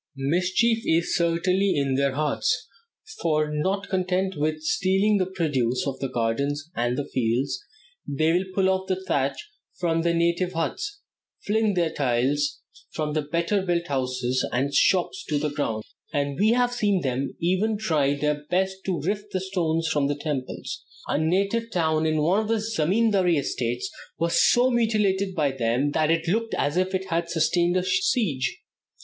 Mischief is certainly in their hearts, for, not content with stealing the produce of the gardens and fields, they will pull off the thatch from the native huts, fling the tiles from the better built houses and shops to the ground, and we have even seen them try their best to rift the stones from the temples. A native town in one of the zemindary estates was so mutilated by them that it looked as if it had sustained a siege.